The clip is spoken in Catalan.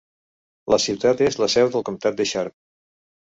La ciutat és la seu del comtat de Sharp.